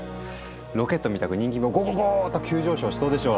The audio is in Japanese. ロケットみたく人気もゴゴゴーッと急上昇しそうでしょ？